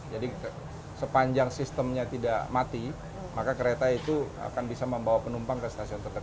jadi sepanjang sistemnya tidak mati maka kereta itu akan bisa membawa penumpang ke stasiun terdekat